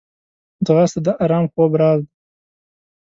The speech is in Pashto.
ځغاسته د ارام خوب راز ده